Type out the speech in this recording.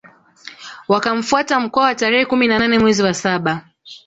Wakamfuata Mkwawa tarehe kumi na nane mwezi wa saba